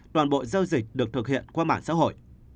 toàn bộ giao dịch được thực hiện qua mạng xã hội